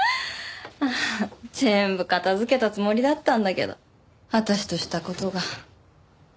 全部片づけたつもりだったんだけど私とした事が。